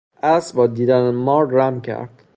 اسب با دیدن مار رم کرد.